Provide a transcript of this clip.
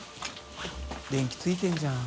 電気ついてるじゃん。